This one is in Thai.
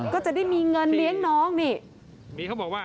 ก็จะได้มีเงินเลี้ยงน้องนี่